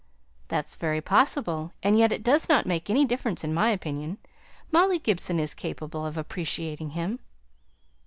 "That's very possible, and yet it doesn't make any difference in my opinion. Molly Gibson is capable of appreciating him."